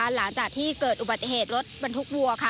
หลังจากที่เกิดอุบัติเหตุรถบรรทุกวัวค่ะ